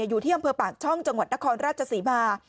อยู่ที่อำเภอปากช่องจังหวัดนครราชศรีมา